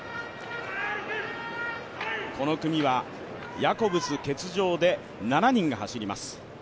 この組はヤコブス欠場で７人が走ります。